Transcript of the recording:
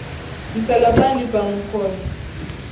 Msalabani pa Mwokozi.